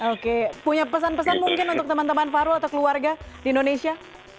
oke punya pesan pesan mungkin untuk teman teman farou atau keluarga di indonesia